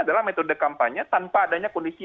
adalah metode kampanye tanpa adanya kondisi